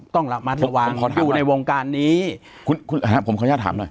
ต้องระมัดระวังอยู่ในวงการนี้คุณคุณผมขออนุญาตถามหน่อย